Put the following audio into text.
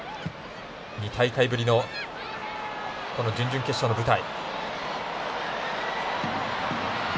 ２大会ぶりのこの準々決勝の舞台。